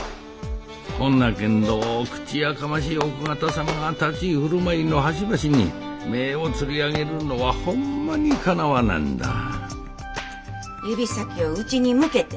ほんなけんど口やかましい奥方様が立ち居振る舞いの端々に目をつり上げるのはほんまにかなわなんだ指先を内に向けて。